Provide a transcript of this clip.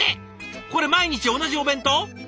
これ毎日同じお弁当！？